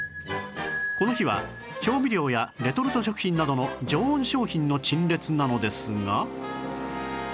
この日は調味料やレトルト食品などの常温商品の陳列なのですが